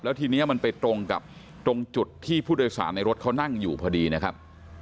ทีนี้มันไปตรงกับตรงจุดที่ผู้โดยสารในรถเขานั่งอยู่พอดีนะครับ